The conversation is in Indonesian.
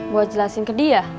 buat jelasin ke dia